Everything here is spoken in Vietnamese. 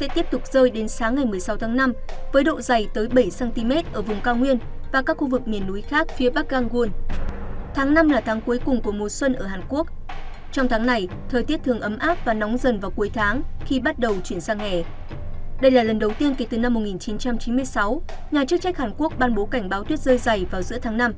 kể từ năm một nghìn chín trăm chín mươi sáu nhà chức trách hàn quốc ban bố cảnh báo tuyết rơi dày vào giữa tháng năm